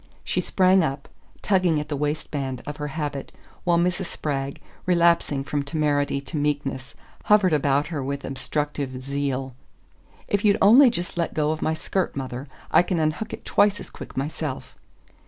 She sprang up, tugging at the waistband of her habit, while Mrs. Spragg, relapsing from temerity to meekness, hovered about her with obstructive zeal. "If you'd only just let go of my skirt, mother I can unhook it twice as quick myself."